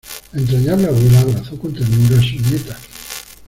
La entrañable abuela abrazó con ternura a su nieta.